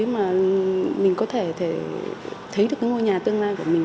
mà mình có thể thấy được cái ngôi nhà tương lai của mình